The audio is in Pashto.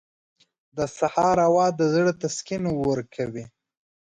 • د سهار هوا د زړونو تسکین ورکوي.